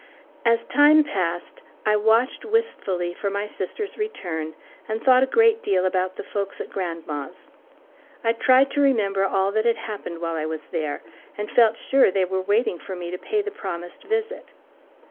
As time passed, I watched wistfully for my sister's return, and thought a great deal about the folks at grandma's. I tried to remember all that had happened while I was there, and felt sure they were waiting for me to pay the promised visit.